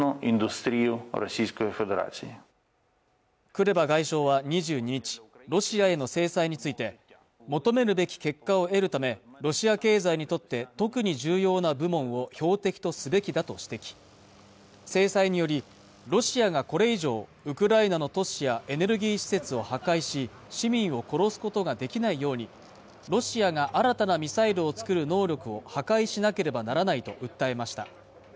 クレバ外相は２２日、ロシアへの制裁について求めるべき結果を得るためロシア経済にとって特に重要な部門を標的とすべきだと指摘制裁によりロシアがこれ以上ウクライナの都市やエネルギー施設を破壊し市民を殺すことができないようにロシアが新たなミサイルを作る能力を破壊しなければならないと訴えました